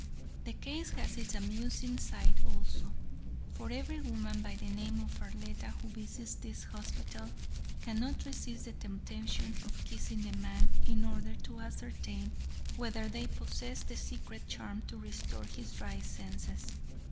The case has its amusing side also, for every woman by the name of Arletta who visits this hospital cannot resist the temptation of kissing the man, in order to ascertain whether they possess the secret charm to restore his right senses.